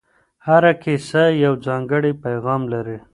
هره کیسه یو ځانګړی پیغام لري.